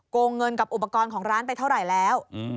งเงินกับอุปกรณ์ของร้านไปเท่าไหร่แล้ว